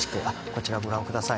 こちらご覧ください